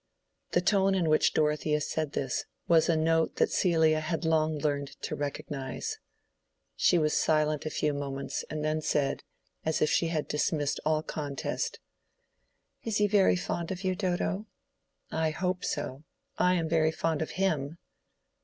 The tone in which Dorothea said this was a note that Celia had long learned to recognize. She was silent a few moments, and then said, as if she had dismissed all contest, "Is he very fond of you, Dodo?" "I hope so. I am very fond of him."